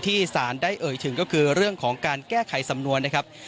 สารได้เอ่ยถึงก็คือเรื่องของการแก้ไขสำนวนนะครับ